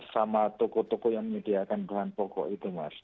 sama toko toko yang menyediakan bahan pokok itu mas